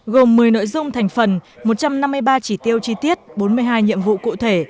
gồm một mươi nội dung thành phần một trăm năm mươi ba chỉ tiêu chi tiết bốn mươi hai nhiệm vụ cụ thể